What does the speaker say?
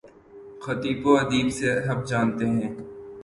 خطیب و ادیب سب جانتے ہیں۔